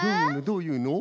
どういうの？